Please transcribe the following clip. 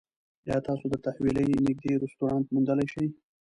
ایا تاسو د تحویلۍ نږدې رستورانت موندلی شئ؟